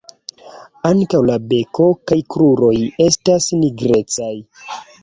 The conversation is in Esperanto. Ankaŭ la beko kaj kruroj estas nigrecaj.